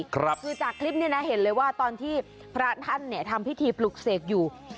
คือจากคลิปนี้นะเห็นเลยว่าตอนที่พระท่านเนี่ยทำพิธีปลุกเสกอยู่